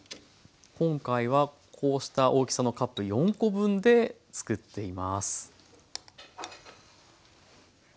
今回はこうした大きさのカップ４コ分でつくっています。